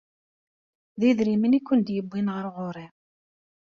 D idrimen i kent-id-yewwin ar ɣur-i.